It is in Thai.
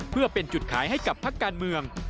เพื่อเป็นจุดขายให้กับพักการเมือง